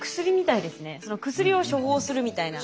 薬を処方するみたいな。